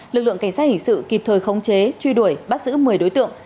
lực lượng cảnh sát hình sự kịp thời khống chế truy đuổi bắt giữ một mươi đối tượng